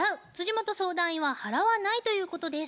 本相談員は「払わない」ということです。